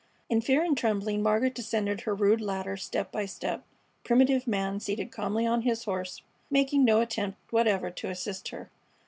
In fear and trembling Margaret descended her rude ladder step by step, primitive man seated calmly on his horse, making no attempt whatever to assist her.